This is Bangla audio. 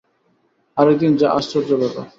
আর একদিন যা আশ্চর্য ব্যাপার!